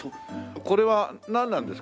これはなんなんですか？